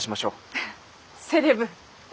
フフセレブ。